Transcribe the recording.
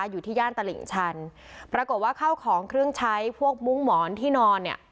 อยู่ที่ย่านตลิ่งชันปรากฏว่าเข้าของเครื่องใช้พวกมุ้งหมอนที่นอนเนี่ย